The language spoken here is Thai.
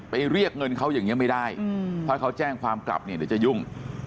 เรียกเงินเขาอย่างนี้ไม่ได้ถ้าเขาแจ้งความกลับเนี่ยเดี๋ยวจะยุ่ง